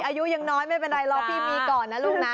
อายุยังน้อยไม่เป็นไรรอพี่มีก่อนนะลูกนะ